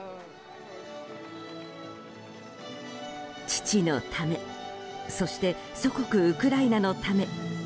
父のためそして祖国ウクライナのため。